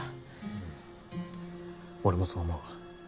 うん俺もそう思う。